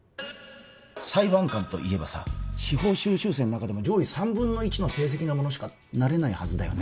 裁判官といえばさ司法修習生の中でも上位３分の１の成績の者しかなれないはずだよね